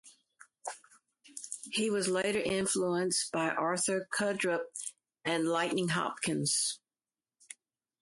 He was later influenced by Arthur Crudup and Lightnin' Hopkins.